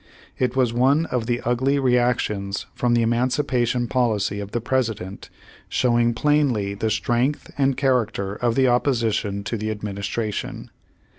It was one of the ugly reactions from the emancipation policy of the President, showing plainly the strength and character of the opposition to the administration.